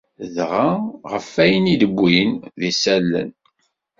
Dɣa, ɣef wayen i d-wwin d isallen.